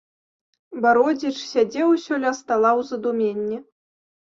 Бародзіч сядзеў усё ля стала ў задуменні.